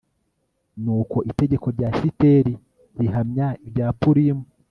Nuko itegeko rya Esiteri rihamya ibya Purimu